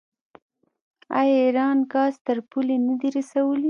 آیا ایران ګاز تر پولې نه دی رسولی؟